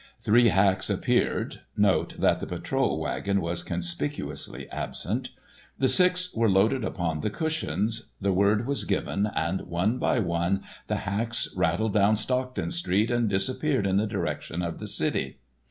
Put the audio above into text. Three hacks appeared (note that the patrol wagon was conspicuously absent), the six were loaded upon the cushions, the word was given and one by one the hacks rattled down Stockton street and disappeared in the direction of the city.